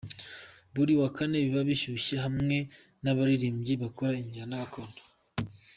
Buri wa Kane biba bishyuye hamwe n'abaririmbyi bakora injyana Gakondo.